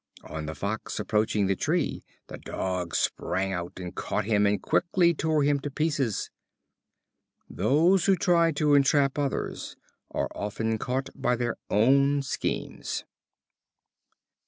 On the Fox approaching the tree, the Dog sprang out and caught him and quickly tore him in pieces. Those who try to entrap others are often caught by their own schemes.